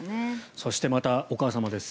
そして、またお母様です。